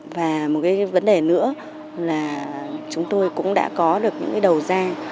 và một vấn đề nữa là chúng tôi cũng đã có được những đầu gian